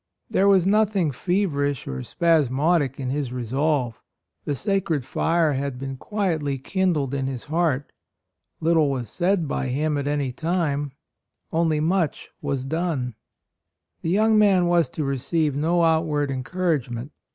There was nothing feverish or 60 A ROYAL SON spasmodic in his resolve: the sacred fire had been quietly kindled in his heart; little was said by hirn at any time, only much was done. The jroung man was to receive no outward encouragement.